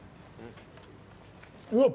うわっ。